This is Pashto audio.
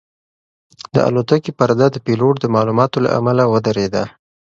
د الوتکې پرده د پیلوټ د معلوماتو له امله ودرېده.